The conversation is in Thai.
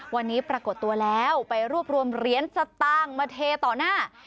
วันนี้ปรากฏตัวแล้วไปรวบรวมเหรียญสตางค์มาเทต่อหน้า